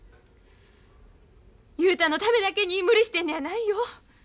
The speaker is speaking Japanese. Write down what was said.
雄太のためだけに無理してんのやないよ。